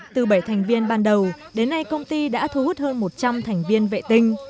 từ bảy thành viên ban đầu đến nay công ty đã thu hút hơn một trăm linh thành viên vệ tinh